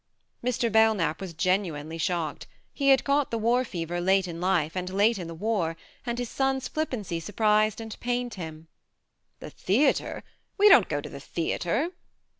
Mr. Belknap was genuinely shocked. He had caught the war fever late in life, and late in the war, and his son's flippancy surprised and pained him. " The theatre ? We don't go to the theatre. ..."